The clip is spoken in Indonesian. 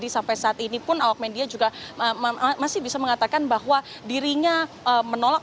sampai saat ini pun awak media juga masih bisa mengatakan bahwa dirinya menolak